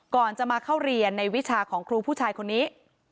ก่อนจะมาเข้าเรียนในวิชาของครูผู้ชายคนนี้